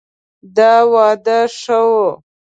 دا واده ښه ؤ